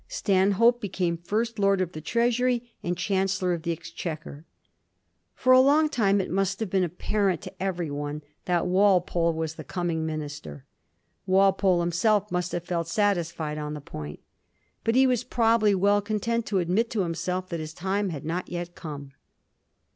Stanhope be came First Lord of the Treasury and Chancellor of the Exchequer. For a long time it must have been apparent to every one that Walpole was the coming minister. Walpole himself must have felt satisfied on the point; but he was probably well content to admit to himself that his time had not yet come.